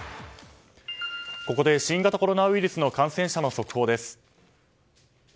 ここで新型コロナウイルスの感染者の速報です。